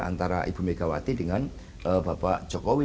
antara ibu megawati dengan bapak jokowi